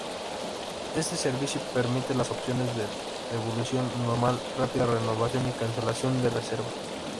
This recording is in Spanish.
Este servicio permite las opciones de devolución normal, rápida, renovación y cancelación de reserva.